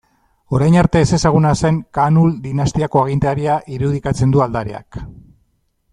Orain arte ezezaguna zen Kaanul dinastiako agintaria irudikatzen du aldareak.